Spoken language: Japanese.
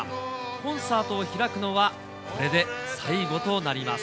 コンサートを開くのは、これで最後となります。